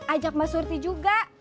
ajak mbak surti juga